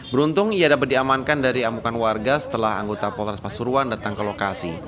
beruntung ia dapat diamankan dari amukan warga setelah anggota polres pasuruan datang ke lokasi